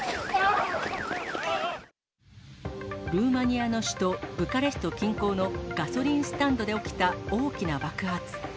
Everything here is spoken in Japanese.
ルーマニアの首都ブカレスト近郊のガソリンスタンドで起きた大きな爆発。